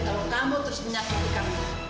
kalau kamu terus menyakiti kamu